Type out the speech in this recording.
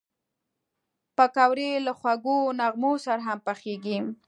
پکورې له خوږو نغمو سره هم پخېږي